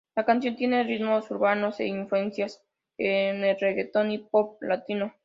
La canción tiene ritmos urbanos e influencias en el reguetón y pop latino.